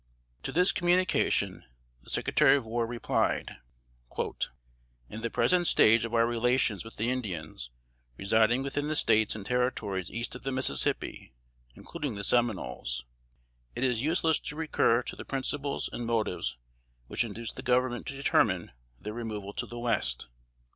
To this communication the Secretary of War replied: "In the present stage of our relations with the Indians residing within the States and Territories east of the Mississippi, including the Seminoles, it is useless to recur to the principles and motives which induced the Government to determine their removal to the West.